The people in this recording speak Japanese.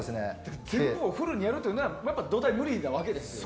結構フルにやるというのは土台無理なんですね。